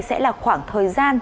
sẽ là khoảng thời gian